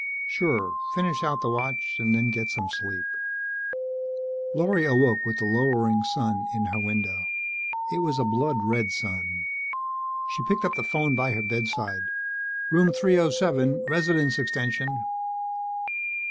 "Sure finish out the watch and then get some sleep." Lorry awoke with the lowering sun in her window. It was a blood red sun. She picked up the phone by her bedside. "Room 307 Resident's extension."